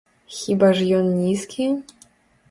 Хіба ж ён нізкі?